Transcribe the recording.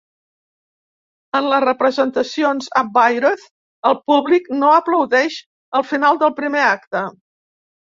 En les representacions a Bayreuth el públic no aplaudeix al final del primer acte.